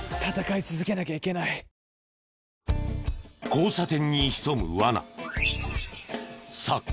交差点に潜むワナ。